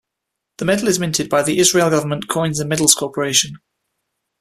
The medal is minted by the Israel Government Coins and Medals Corporation.